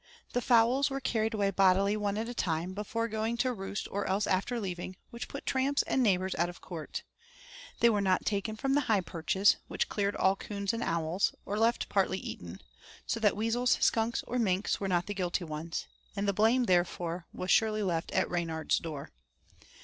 The fowls were carried away bodily one at a time, before going to roost or else after leaving, which put tramps and neighbors out of court; they were not taken from the high perches, which cleared all coons and owls; or left partly eaten, so that weasels, skunks, or minks were not the guilty ones, and the blame, therefore, was surely left at Reynard's door.